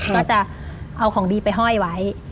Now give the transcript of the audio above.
ก็จะเอาของดีไปห้อยไว้